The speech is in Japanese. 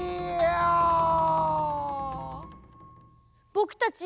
ぼくたち